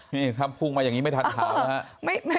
นี่ถ้าพุ่งมายังงี้ไม่ทันฐานล่ะครับ